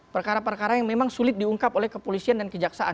perkara perkara yang memang sulit diungkap oleh kepolisian dan kejaksaan